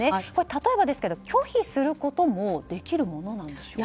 例えばですが、拒否することもできるものなのでしょうか。